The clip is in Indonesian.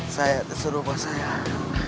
saya disuruh pak sayang